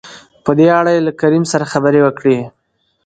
په دې اړه يې له کريم سره خبرې وکړې.